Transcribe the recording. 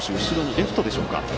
レフトでしょうか。